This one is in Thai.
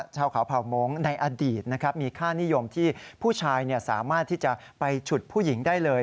ชาวเขาเผ่าโม้งในอดีตมีค่านิยมที่ผู้ชายสามารถที่จะไปฉุดผู้หญิงได้เลย